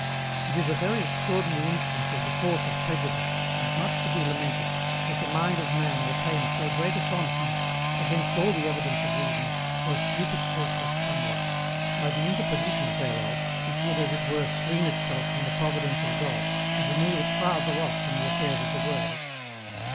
It is a very extraordinary instance of the force of prejudice, and much to be lamented, that the mind of man retains so great a fondness, against all the evidence of reason, for a stupid thoughtless somewhat, by the interposition whereof it would as it were screen itself from the Providence of God, and remove it farther off from the affairs of the world.